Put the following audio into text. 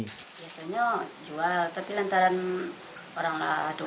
biasanya jual tapi lantaran orang tua